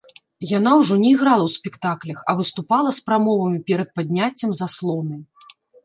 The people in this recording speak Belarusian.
Яна ўжо не іграла ў спектаклях, а выступала з прамовамі перад падняццем заслоны.